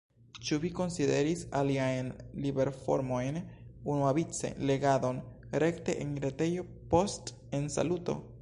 Ĉu vi konsideris aliajn liverformojn, unuavice legadon rekte en retejo, post ensaluto?